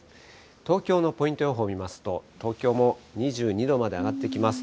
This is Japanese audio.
東京のポイント予報を見ますと、東京も２２度まで上がってきます。